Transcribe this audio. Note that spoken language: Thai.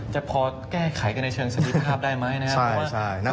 จะพอแก้ไขกันในเชิงสะดีภาพได้ไหม